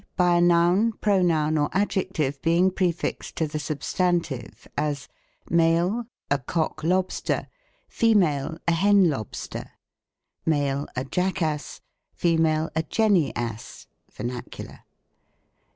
By a noun, pronoun, or adjective being prefixed to the substantive j as, MALE. FEMALE. A cock lobster A hen lobster. A jack ass A jenny ass (vernacular.)